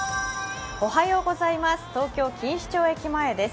東京・錦糸町駅前です。